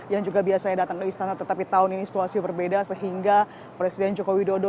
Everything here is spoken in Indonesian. yang juga biasanya datang ke istana tetapi tahun ini situasi berbeda sehingga presiden joko widodo